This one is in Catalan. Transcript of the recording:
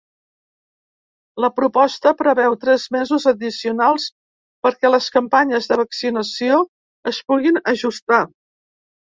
La proposta preveu tres mesos addicionals perquè les campanyes de vaccinació es puguin ajustar.